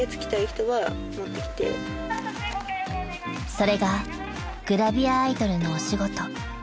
［それがグラビアアイドルのお仕事］